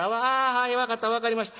はい分かった分かりました。